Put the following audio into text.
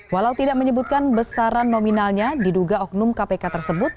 walau tidak menyebutkan besaran nominalnya diduga oknum kpk tersebut